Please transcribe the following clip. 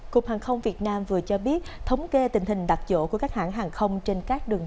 cục hàng không việt nam vừa cho biết thống kê tình hình đặt chỗ của các hãng hàng không trên các đường